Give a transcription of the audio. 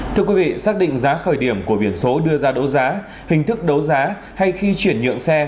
thưa quý vị xác định giá khởi điểm của biển số đưa ra đấu giá hình thức đấu giá hay khi chuyển nhượng xe